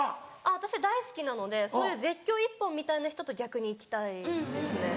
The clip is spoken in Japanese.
私大好きなのでそういう絶叫一本みたいな人と逆に行きたいですね。